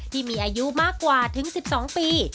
ที่มีอายุมากกว่าถึง๑๒ปี